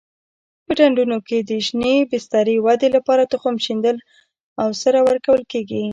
په ډنډونو کې د شینې بسترې ودې لپاره تخم شیندل او سره ورکول کېږي.